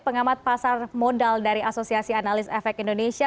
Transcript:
pengamat pasar modal dari asosiasi analis efek indonesia